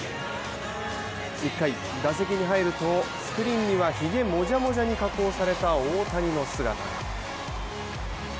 １回、打席に入るとスクリーンにはひげもじゃもじゃに加工された大谷の姿が。